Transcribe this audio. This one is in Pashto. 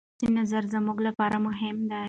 ستاسې نظر زموږ لپاره مهم دی.